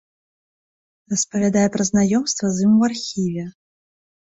Распавядае пра знаёмства з ім у архіве.